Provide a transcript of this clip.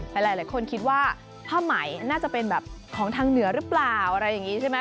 หลายคนคิดว่าผ้าไหมน่าจะเป็นแบบของทางเหนือหรือเปล่าอะไรอย่างนี้ใช่ไหม